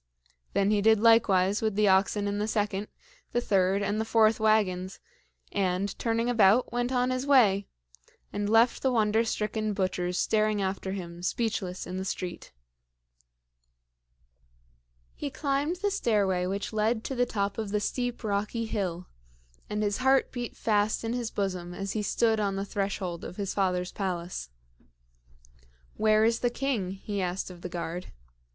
Then he did likewise with the oxen in the second, the third, and the fourth wagons, and, turning about, went on his way, and left the wonder stricken butchers staring after him, speechless, in the street. He climbed the stairway which led to the top of the steep, rocky hill, and his heart beat fast in his bosom as he stood on the threshold of his father's palace. "Where is the king?" he asked of the guard.